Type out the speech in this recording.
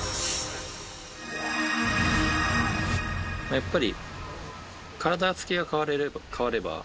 やっぱり。